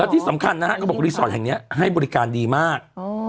ที่สำคัญนะฮะก็บอกรีสอร์ทแห่งนี้ให้บริการดีมาก